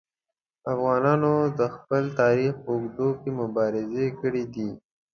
افغانانو د خپل تاریخ په اوږدو کې مبارزې کړي دي.